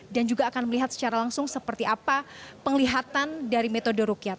dan juga akan melihat secara langsung seperti apa penglihatan dari metode rukyat